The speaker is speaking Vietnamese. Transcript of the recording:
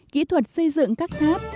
kỹ thuật xây dựng các tháp